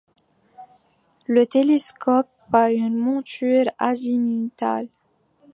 Le télescope a une monture azimutale.